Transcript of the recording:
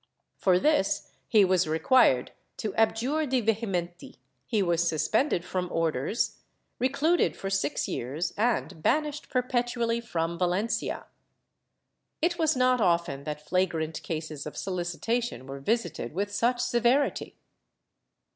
For this he was required to abjure de vehementi, he was suspended from orders, recluded for six years and banished perpetually from Valencia.^ It was not often that flagrant cases of solicitation were visited with such severity.